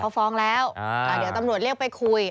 เขาฟ้องแล้วเดี๋ยวตำรวจเรียกไปคุย